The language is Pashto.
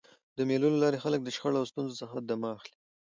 د مېلو له لاري خلک له شخړو او ستونزو څخه دمه اخلي.